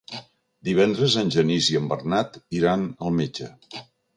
Divendres en Genís i en Bernat iran al metge.